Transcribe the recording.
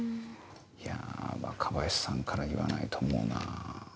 いや若林さんから言わないと思うなぁ。